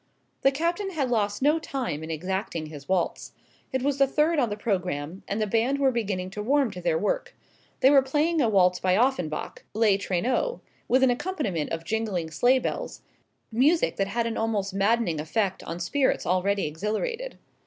The Captain had lost no time in exacting his waltz. It was the third on the programme, and the band were beginning to warm to their work. They were playing a waltz by Offenbach "Les Traîneaux" with an accompaniment of jingling sleigh bells music that had an almost maddening effect on spirits already exhilarated.